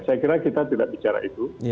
saya kira kita tidak bicara itu